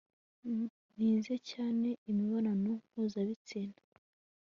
nize cyane imibonano mpuzabitsina